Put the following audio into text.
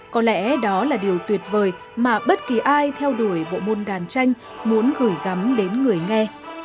có lẽ đó là điều tuyệt vời mà bất kỳ ai theo đuổi bộ môn đàn tranh muốn gửi gắm đến người nghe